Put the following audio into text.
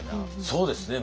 そうですね。